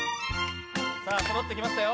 さあ、そろってきましたよ。